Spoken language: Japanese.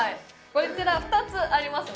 こちら２つありますね